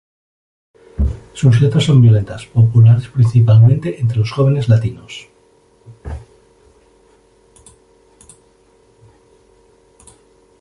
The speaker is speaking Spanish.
Sus letras son violentas, populares principalmente entre los jóvenes latinos.